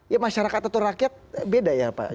ya masyarakat itu rakyat beda ya pak jaya